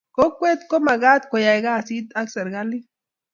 Kokwet komakat koyay kasit ak serikalit.